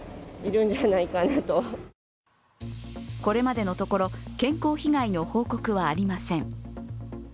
これまでのところ、健康被害の報告はありません。